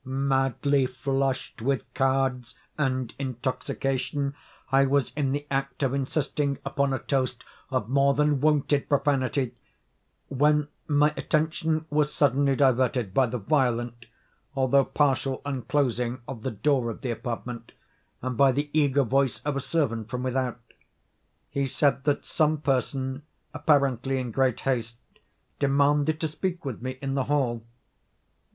Madly flushed with cards and intoxication, I was in the act of insisting upon a toast of more than wonted profanity, when my attention was suddenly diverted by the violent, although partial unclosing of the door of the apartment, and by the eager voice of a servant from without. He said that some person, apparently in great haste, demanded to speak with me in the hall.